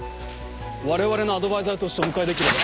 我々のアドバイザーとしてお迎えできれば。